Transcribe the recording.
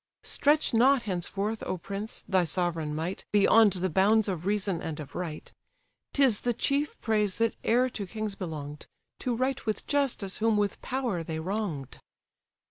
Stretch not henceforth, O prince! thy sovereign might Beyond the bounds of reason and of right; 'Tis the chief praise that e'er to kings belong'd, To right with justice whom with power they wrong'd."